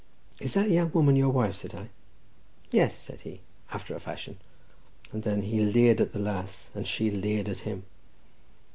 "Is that young woman your wife?" said I. "Yes," said he, "after a fashion"—and then he leered at the lass, and she leered at him.